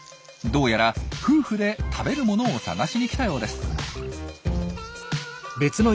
どうやら夫婦で食べるものを探しに来たようです。